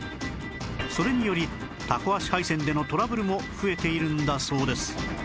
それによりたこ足配線でのトラブルも増えているんだそうです